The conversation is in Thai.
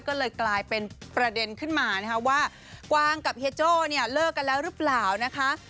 ก็เลยกลายเป็นประเด็นขึ้นมานะคะว่ากวางกับเฮียโจ้เนี่ยเลิกกันแล้วหรือเปล่านะคะ